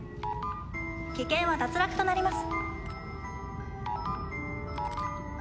棄権は脱落となります。